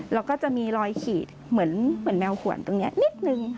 แล้วก็จะมีรอยขีดเหมือนแมวขวนตรงนี้นิดนึง